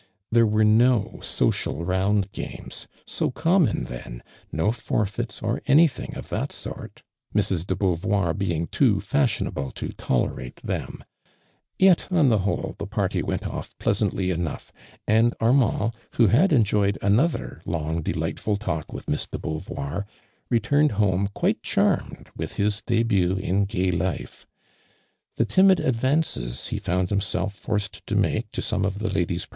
There were no social round games, so common then, no forfeits.oranytliingof that sort. Mrs. de Boauvoir lioing too fiushional*h> to tole rate them; yet, on the whole, tiic party went oil" ploasimtly enough, and Armand, who had f njoyed anothci' long delightful talk with Miss do Boauvoir, returned homo quite charmed with hii dtbiit in gay life. The timid ailvancos lie found himself forced to make to .some of the ladies pro.